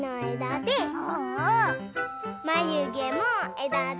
まゆげもえだで。